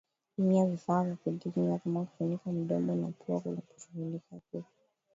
Tumia vifaa vya kujikinga kama kufunika mdoma na pua unaposhughulikia kuku